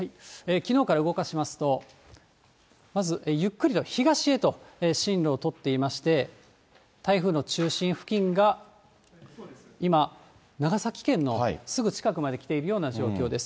きのうから動かしますと、まずゆっくりと東へと進路を取っていまして、台風の中心付近が今、長崎県のすぐ近くまで来ているような状況です。